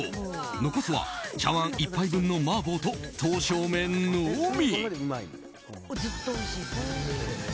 残すは茶わん１杯分の麻婆と刀削麺のみ。